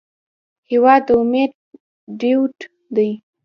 هېواد د امید ډیوټ دی.